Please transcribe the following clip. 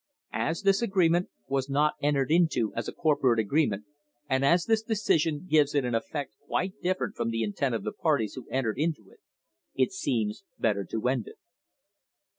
"As this agreement was not entered into as a corporate agreement, and as this decision gives it an effect quite different from the intent of the parties who entered into it, it seems better to end it."